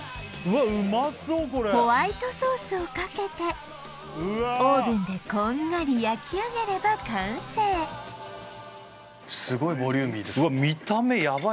これホワイトソースをかけてオーブンでこんがり焼き上げれば完成すごいボリューミーですねうわ